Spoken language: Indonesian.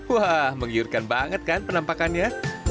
wah menggiurkan banget kan penampakannya